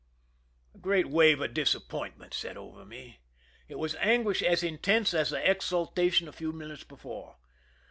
A greali wave of disappointment set over me ; it was anguish as intense as the exultation a few minutes before.